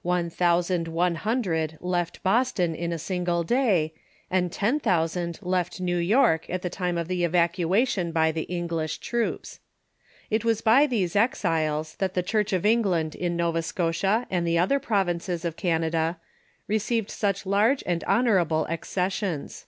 One thousand one hundred left Boston in a single day, and ten thousand left New York at the time of the evac uation by the English troops. It was by these exiles that the Church of England in Nova Scotia and the other provinces of Canada received such large and honorable accessions.